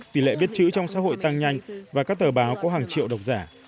tỷ lệ viết chữ trong xã hội tăng nhanh và các tờ báo có hàng triệu đọc giả